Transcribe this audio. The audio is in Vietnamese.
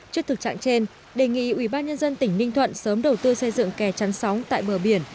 trước thực trạng trên đề nghị ubnd tỉnh ninh thuận sớm đầu tư xây dựng kè chắn sóng tại bờ biển